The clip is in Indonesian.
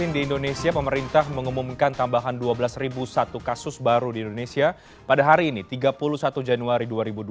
di indonesia pemerintah mengumumkan tambahan dua belas satu kasus baru di indonesia pada hari ini tiga puluh satu januari dua ribu dua puluh